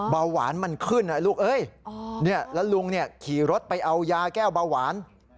เบาหวานมันขึ้นนะลูกเอ้ยแล้วลุงขี่รถไปเอายาแก้วเบาหวาน